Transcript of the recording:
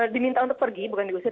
diminta untuk pergi bukan diusir